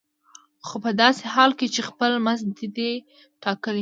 خو په داسې حال کې چې خپل مزد دې دی ټاکلی.